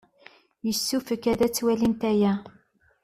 Yessefk ad twalimt aya.